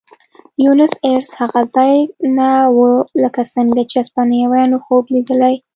بونیس ایرس هغه ځای نه و لکه څنګه چې هسپانویانو خوب لیدلی.